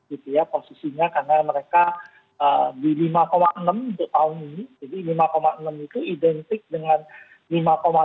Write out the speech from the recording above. itu ya posisinya karena mereka di lima enam untuk tahun ini